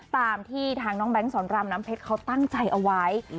ตามที่ทางเบงก์สอนรำนมเพชรเขาตั้งใจเอาไว้